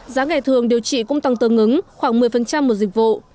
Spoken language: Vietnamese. giá ngày thường điều chỉ cũng tăng tờ ngứng khoảng một mươi một dịch vụ